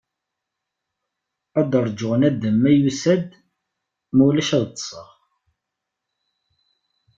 Ad rjuɣ nadam, ma yusa-d, ma ulac ad ṭṭseɣ.